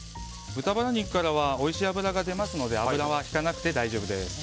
豚バラ肉からはおいしい脂が出ますので油はひかなくて大丈夫です。